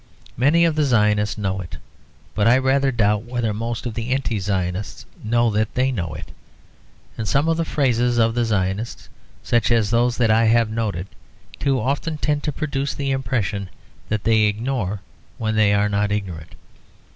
Many of the Zionists know it; but I rather doubt whether most of the Anti Zionists know that they know it. And some of the phrases of the Zionists, such as those that I have noted, too often tend to produce the impression that they ignore when they are not ignorant.